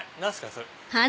それ。